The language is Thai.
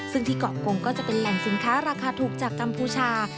ซึ่งที่เกาะกงก็จะเป็นแหล่งสินค้าราคาถูกจากกัมพูชา